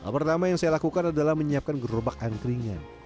pertama yang saya lakukan adalah menyiapkan gerobak angkringan